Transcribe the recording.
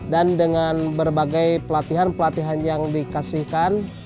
dan dengan berbagai pelatihan pelatihan yang dikasihkan